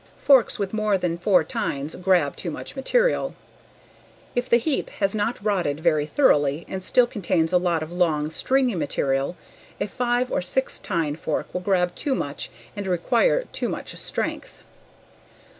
Forks with more than four times grab too much material. If the heap has not rotted very thoroughly and still contains a lot of long, stringy material, a five or six tine fork will grab too much and may require too much strength.